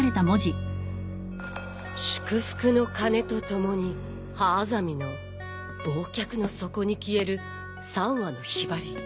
「祝福の鐘と共にハアザミの忘却の底に消える三羽の雲雀」